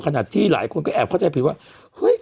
หลายคนที่หลายคนก็แอบเข้าใจผิดว่าเฮ้ย